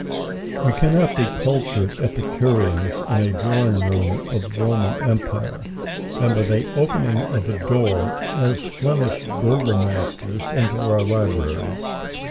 We cannot be cultured Epicureans in a drawing room of the Roman Empire, and by the opening of a door walk as Flemish Burgomasters into our libraries.